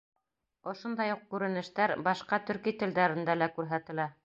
Ошондай уҡ күренештәр башҡа төрки телдәрендә лә күрһәтелә.